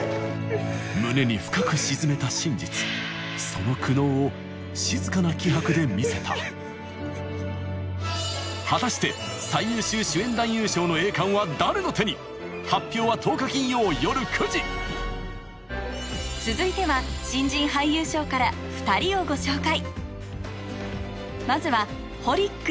胸に深く沈めた真実その苦悩を静かな気迫で見せた果たして発表は１０日金曜夜９時続いては新人俳優賞から２人をご紹介